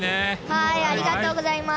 はーい！ありがとうございます。